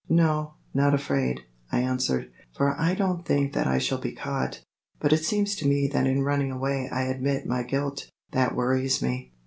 "No, not afraid," I answered, "for I don't think that I shall be caught. But it seems to me that in running away I admit my guilt. That worries me."